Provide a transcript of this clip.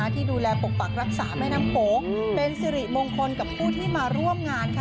ที่ดูแลปกปักรักษาแม่น้ำโขงเป็นสิริมงคลกับผู้ที่มาร่วมงาน